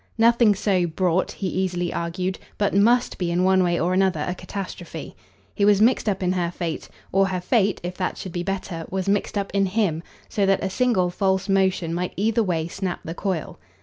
Nothing so "brought," he easily argued, but MUST be in one way or another a catastrophe. He was mixed up in her fate, or her fate, if that should be better, was mixed up in HIM, so that a single false motion might either way snap the coil.